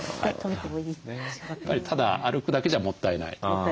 ただ歩くだけじゃもったいない。